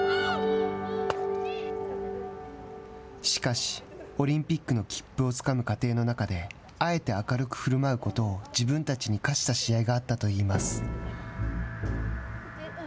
しかし、オリンピックの切符をつかむ過程の中であえて明るくふるまうことを自分たちに課した試合があったといいます。